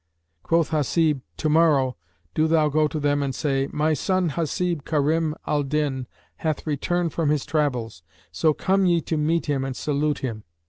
Quoth Hasib, "To morrow do thou go to them and say, "My son Hasib Karim al Din hath returned from his travels; so come ye to meet him and salute him."